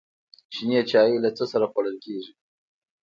شین چای له څه سره خوړل کیږي؟